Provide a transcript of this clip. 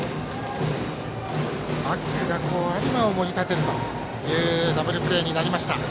バックが有馬を盛り立てるとうダブルプレーになりました。